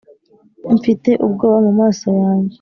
mfite ubwoba mumaso yanjye